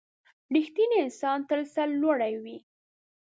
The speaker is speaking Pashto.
• رښتینی انسان تل سرلوړی وي.